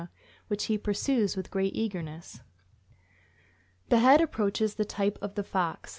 which he pursues with great eagerness. The head approaches the type of the fox.